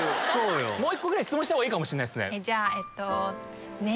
もう１個質問したほうがいいかもしれないですね。